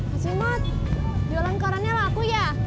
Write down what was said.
mas imut jualan karannya laku ya